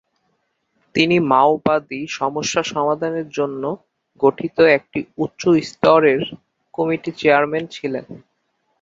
তিনি মাওবাদী সমস্যা সমাধানের জন্য গঠিত একটি উচ্চ-স্তরের কমিটির চেয়ারম্যান ছিলেন।